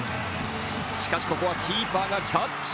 しかし、ここはキーパーがキャッチ。